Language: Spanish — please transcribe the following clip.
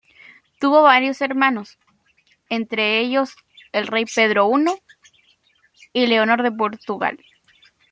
Tuvo varios hermanos, entre ellos el rey Pedro I y Leonor de Portugal.